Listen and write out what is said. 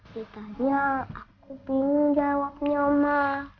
ditanya aku bingung jawabnya oma